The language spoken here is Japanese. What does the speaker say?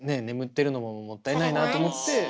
眠ってるのももったいないなと思って。